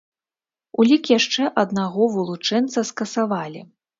Улік яшчэ аднаго вылучэнца скасавалі.